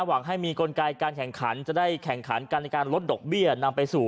หวังให้มีกลไกการแข่งขันจะได้แข่งขันกันในการลดดอกเบี้ยนำไปสู่